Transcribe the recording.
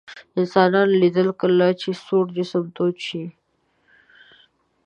انسانانو لیدلي کله چې سوړ جسم تود شي.